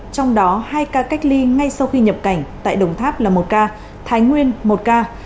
trong đó hai ca cách ly ngay sau khi nhập cảnh tại đồng tháp là một ca thái nguyên một ca